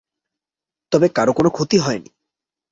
তবে কারো কোনো ক্ষতি হয়নি।